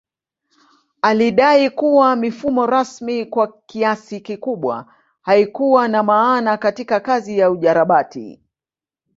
Alidai kuwa mifumo rasmi kwa kiasi kikubwa haikuwa na maana katika kazi ya ujarabati